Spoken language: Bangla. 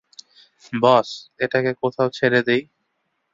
বস, এটাকে কোথাও ছেড়ে দিই।